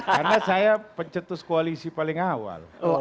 karena saya pencetus koalisi paling awal